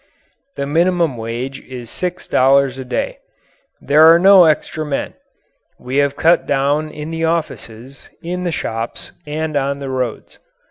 The minimum wage is six dollars a day. There are no extra men. We have cut down in the offices, in the shops, and on the roads.